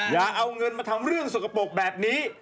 อย่าเอาเงินมาทำเรื่องสกปรกแบบนี้